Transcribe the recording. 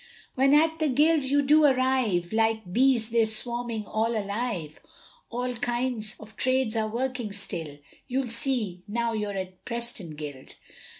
When at the Guild you do arrive, Like bees they're swarming all alive, All kinds of trades are working still, You'll see, now you're at Preston Guild.